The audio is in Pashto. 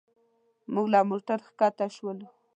موږ له موټر ښکته شولو.